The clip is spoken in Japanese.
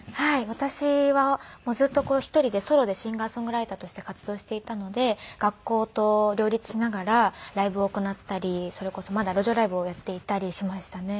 私はずっと１人でソロでシンガー・ソングライターとして活動していたので学校と両立しながらライブを行ったりそれこそまだ路上ライブをやっていたりしましたね。